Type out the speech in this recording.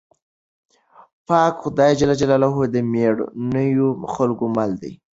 پاک خدای د مېړنيو خلکو مل دی.